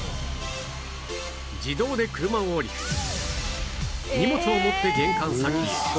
自動で車を降り荷物を持って玄関先へ